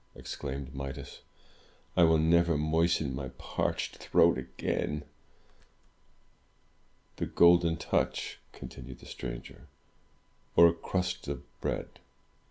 exclaimed Midas. "I will never moisten my parched throat again!" "The Golden Touch," continued the stranger, "or a crust of bread?"